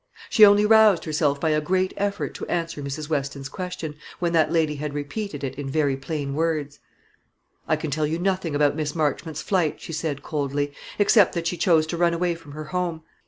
She only roused herself by a great effort to answer Mrs. Weston's question, when that lady had repeated it in very plain words. "I can tell you nothing about Miss Marchmont's flight," she said, coldly, "except that she chose to run away from her home.